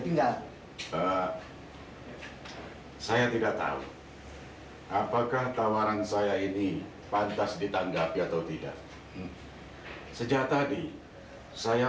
tinggal saya tidak tahu apakah tawaran saya ini pantas ditanggapi atau tidak sejak tadi saya